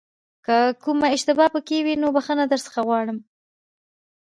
که کومه اشتباه پکې وي نو بښنه درڅخه غواړم.